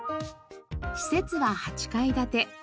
施設は８階建て。